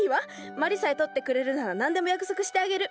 まりさえ取ってくれるなら何でも約束してあげる！